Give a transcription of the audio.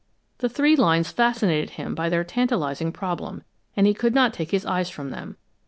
] The three lines fascinated him by their tantalizing problem, and he could not take his eyes from them.